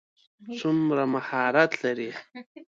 څومره مهارت لري.